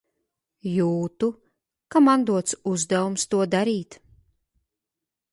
Jūtu, ka man dots uzdevums to darīt.